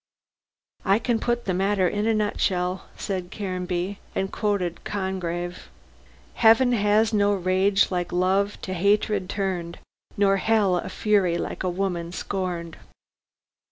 "I can put the matter in a nutshell," said Caranby, and quoted Congreve "'Heaven has no rage like love to hatred turned Nor Hell a fury like a woman scorned.'"